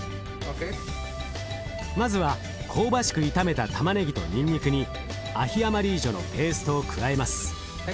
まずは香ばしく炒めたたまねぎとにんにくにアヒ・アマリージョのペーストを加えます。